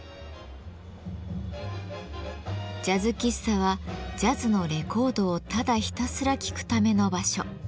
ジャズ喫茶はジャズのレコードをただひたすら聴くための場所。